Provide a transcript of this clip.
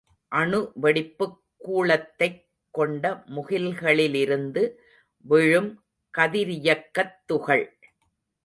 அணுவெடிப்புக் கூளத்தைக் கொண்ட முகில்களிலிருந்து விழும் கதிரியக்கத் துகள்.